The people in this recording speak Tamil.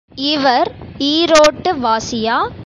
இவர் ஈரோட்டு வாசியா?